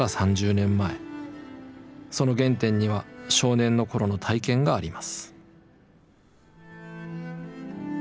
その原点には少年の頃の体験があります。